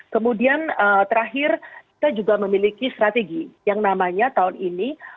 kemudian terakhir kita juga memiliki strategi yang namanya tahun ini